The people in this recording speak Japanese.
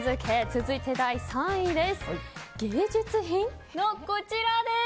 続いて、第３位です。